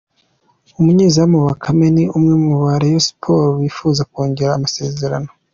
Umunyezamu Bakame ni umwe mu bo Rayon Sports yifuza kongerera amasezerano.